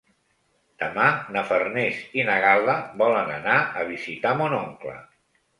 Demà na Farners i na Gal·la volen anar a visitar mon oncle.